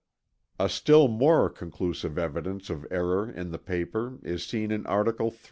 "A still more conclusive evidence of errour in the paper is seen in Art: III.